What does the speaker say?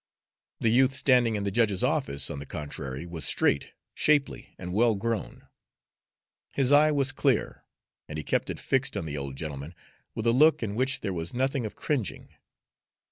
The youth standing in the judge's office, on the contrary, was straight, shapely, and well grown. His eye was clear, and he kept it fixed on the old gentleman with a look in which there was nothing of cringing.